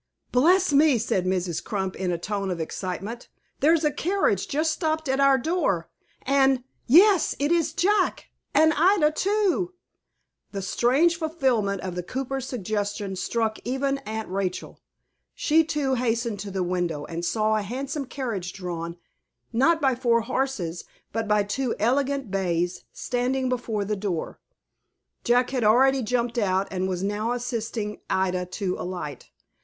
"Bless me!" said Mrs. Crump, in a tone of excitement; "there's a carriage just stopped at our door, and yes, it is Jack, and Ida too!" The strange fulfilment of the cooper's suggestion struck even Aunt Rachel. She, too, hastened to the window, and saw a handsome carriage drawn, not by four horses, but by two elegant bays, standing before the door. Jack had already jumped out, and was now assisting Ida to alight.